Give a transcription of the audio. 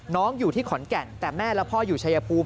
อยู่ที่ขอนแก่นแต่แม่และพ่ออยู่ชายภูมิ